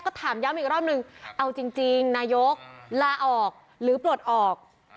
ก็ถามย้ำอีกรอบนึงเอาจริงนายกลาออกหรือปลดออก